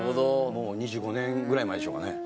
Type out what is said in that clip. もう２５年ぐらい前でしょうかね。